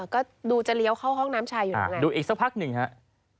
ก็ดูจะเลี้ยวเข้าห้องน้ำชายอยู่นั่นแหละดูอีกสักพักหนึ่งฮะ